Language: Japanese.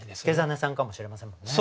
祐真さんかもしれませんもんね。